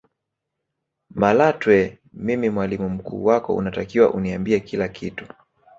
Malatwe mimi mwalimu mkuu wako unatakiwa uniambie kila kitu